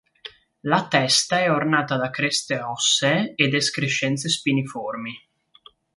La testa è ornata da creste ossee ed escrescenze spiniformi.